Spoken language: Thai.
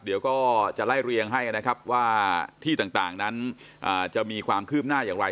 เดี๋ยวก็จะไล่เรียงให้นะครับว่าที่ต่างนั้นจะมีความคืบหน้าอย่างไร